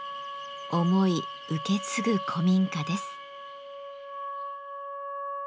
思い受け継ぐ古民家です。